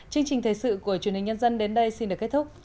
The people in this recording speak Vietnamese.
chương trình thời sự của truyền hình nhân dân đến đây xin được kết thúc